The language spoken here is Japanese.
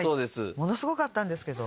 ものすごかったんですけど。